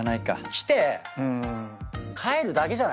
来て帰るだけじゃないっすか？